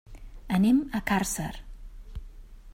Anem a Càrcer.